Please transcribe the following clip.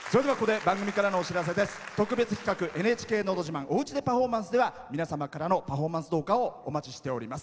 特別企画「ＮＨＫのど自慢おうちでパフォーマンス」では皆様からのパフォーマンス動画をお待ちしております。